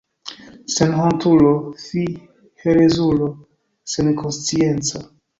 Senhontulo, fi, herezulo senkonscienca!